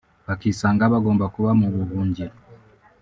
bakisanga bagomba kuba mu buhungiro